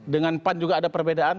dengan pan juga ada perbedaan